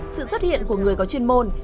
sự xuất hiện của người có chuyên môn